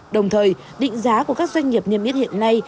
đồng thời định giá của các doanh nghiệp niêm yết hiện nay